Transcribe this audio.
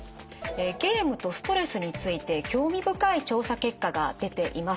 ゲームとストレスについて興味深い調査結果が出ています。